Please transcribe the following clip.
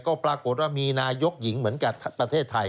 ก็ปรากฏว่ามีนายกหญิงเหมือนกับประเทศไทย